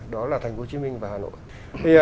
đó là thành phố hồ chí minh và hà nội